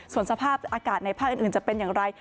ส่วนสภาพอากาศในภาคอื่นจะเป็นอย่างไร